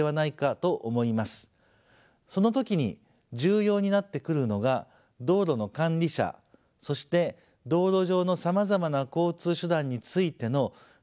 その時に重要になってくるのが道路の管理者そして道路上のさまざまな交通手段についての政策を立案し実行する人